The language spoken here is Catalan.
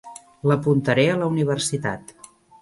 L'apuntaré a la universitat.